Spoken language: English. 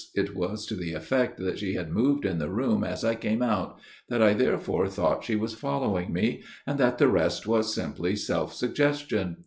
It was to the effect that she had moved in the room as I came out, that I therefore thought she was following me, and that the rest was simply self suggestion.